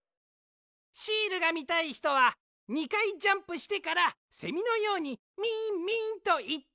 シールがみたいひとは２かいジャンプしてからセミのように「ミンミン」とい。